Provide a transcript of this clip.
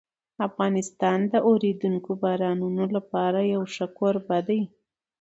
افغانستان د اورېدونکو بارانونو لپاره یو ښه کوربه دی.